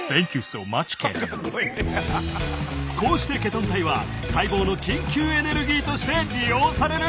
こうしてケトン体は細胞の緊急エネルギーとして利用される！